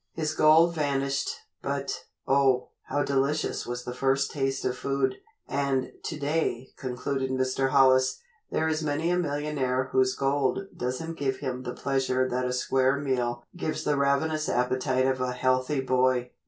His gold vanished, but, oh, how delicious was the first taste of food. "And to day," concluded Mr. Hollis, "there is many a millionaire whose gold doesn't give him the pleasure that a square meal gives the ravenous appetite of a healthy boy."